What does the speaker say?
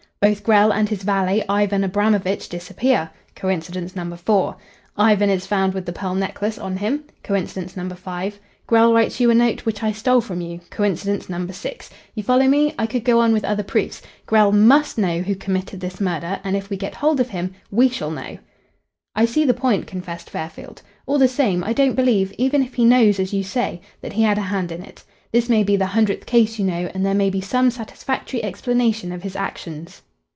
Both Grell and his valet, Ivan Abramovitch, disappear. Coincidence number four. Ivan is found with the pearl necklace on him. Coincidence number five. Grell writes you a note, which I stole from you. Coincidence number six. You follow me? I could go on with other proofs. Grell must know who committed this murder, and if we get hold of him we shall know." "I see the point," confessed Fairfield. "All the same, I don't believe, even if he knows as you say, that he had a hand in it. This may be the hundreth case, you know, and there may be some satisfactory explanation of his actions."